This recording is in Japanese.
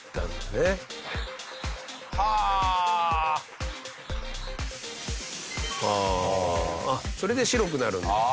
あっそれで白くなるんだ。